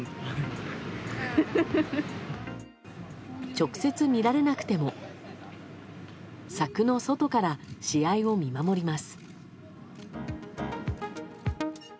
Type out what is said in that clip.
直接見られなくても柵の外から試合を見守ります。